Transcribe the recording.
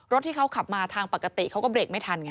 รถที่เขาขับมาทางปกติเขาก็เบรกไม่ทันไง